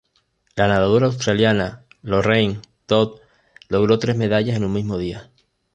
La nadadora australiana Lorraine Dodd logró tres medallas en un mismo día.